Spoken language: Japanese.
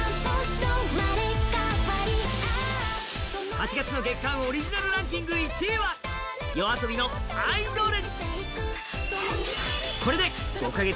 ８月の月間オリジナルランキングトップ１は、ＹＯＡＳＯＢＩの「アイドル」。